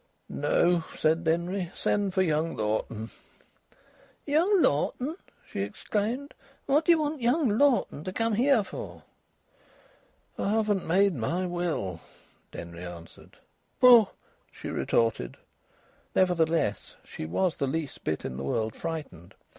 "No," said Denry; "send for young Lawton." "Young Lawton!" she exclaimed. "What do you want young Lawton to come here for?" "I haven't made my will," Denry answered. "Pooh!" she retorted. Nevertheless she was the least bit in the world frightened.